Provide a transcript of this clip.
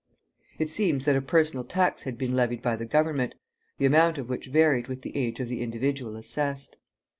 It seems that a personal tax had been levied by the government, the amount of which varied with the age of the individual assessed.